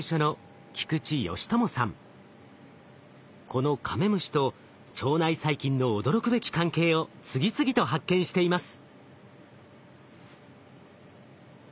このカメムシと腸内細菌の驚くべき関係を次々と発見しています。